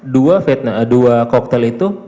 dua vietna dua koktel itu